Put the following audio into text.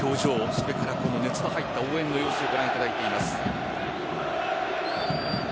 それから熱の入った応援の様子をご覧いただいています。